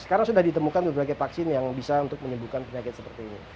sekarang sudah ditemukan berbagai vaksin yang bisa untuk menyembuhkan penyakit seperti ini